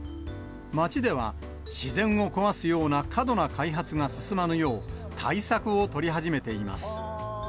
町では、自然を壊すような過度な開発が進まぬよう、対策を取り始めています。